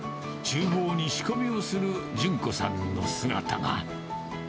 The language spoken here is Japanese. ちゅう房に仕込みをする順子さんの姿が。